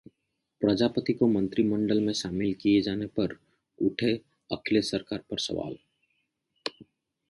प्रजापति को मंत्रिमंडल में शामिल किए जाने पर उठे अखिलेश सरकार पर सवाल